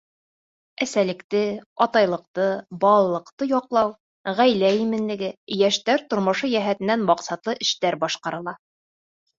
— Әсәлекте, атайлыҡты, балалыҡты яҡлау, ғаилә именлеге, йәштәр тормошо йәһәтенән маҡсатлы эштәр башҡарыла.